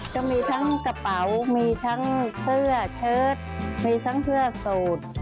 ก็มีทั้งกระเป๋ามีทั้งเสื้อเชิดมีทั้งเสื้อสูตร